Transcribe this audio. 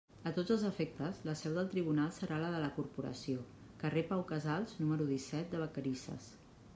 A tots els efectes, la seu del tribunal serà la de la Corporació, Carrer Pau Casals, número disset de Vacarisses.